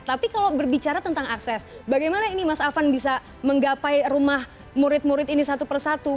tapi kalau berbicara tentang akses bagaimana ini mas afan bisa menggapai rumah murid murid ini satu persatu